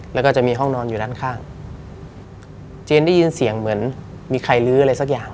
แล้วก็จะมีห้องนอนอยู่ด้านข้างเจนได้ยินเสียงเหมือนมีใครลื้ออะไรสักอย่าง